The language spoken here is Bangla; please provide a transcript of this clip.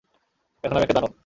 এখন আমি একটা দানব।